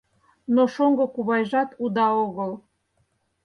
Но шоҥго кувайжат уда огыл.